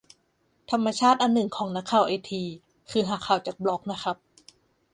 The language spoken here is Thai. ธรรมชาติอันหนึ่งของนักข่าวไอที คือหาข่าวจากบล็อกนะครับ